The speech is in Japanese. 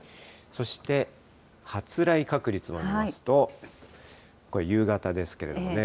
そして発雷確率を見ますと、これ、夕方ですけれどもね。